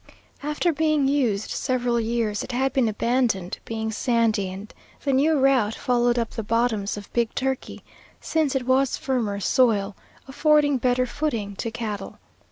After being used several years it had been abandoned, being sandy, and the new route followed up the bottoms of Big Turkey, since it was firmer soil, affording better footing to cattle.